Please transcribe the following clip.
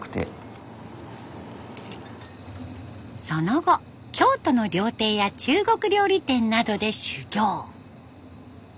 その後京都の料亭や中国料理店などで修業。